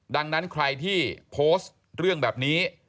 ดังนั้นใครที่โพสต์เรื่องแบบนี้